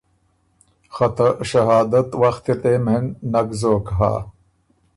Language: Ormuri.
خه ته شهادت وخت اِر دې مېن نک زوک هۀ